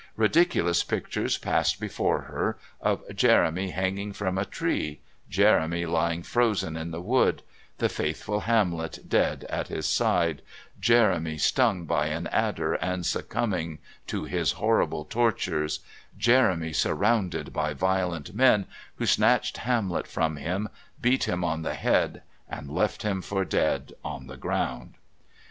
Ridiculous pictures passed before her, of Jeremy hanging from a tree, Jeremy lying frozen in the wood, the faithful Hamlet dead at his side, Jeremy stung by an adder and succumbing to his horrible tortures, Jeremy surrounded by violent men, who snatched Hamlet from him, beat him on the head and left him for dead on the ground.